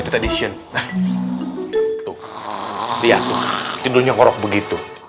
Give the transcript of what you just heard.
tidurnya ngorok begitu